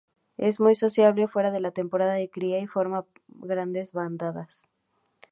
Es muy sociable fuera de la temporada de cría y forma grandes bandadas.